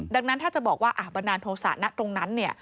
ดังนั้นถ้าจะบอกว่าบันดาลโทษะนะตรงนั้น